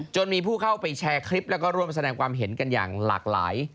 จนมีผู้เข้าไปแชร์คลิปแล้วก็ร่วมแสดงความเห็นกันอย่างหลากหลาย